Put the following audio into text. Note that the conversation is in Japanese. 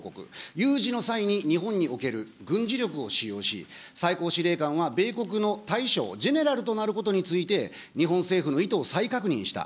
有事の際に日本における軍事力を使用し、最高司令官は米国の大将、ジェネラルとなることについて日本政府の意図を再確認した。